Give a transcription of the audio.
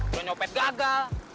belum nyopet gagal